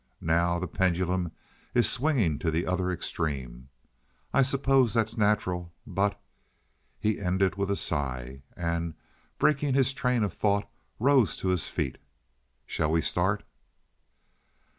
Now the pendulum is swinging to the other extreme. I suppose that's natural, but " He ended with a sigh, and, breaking his train of thought, rose to his feet. "Shall we start?"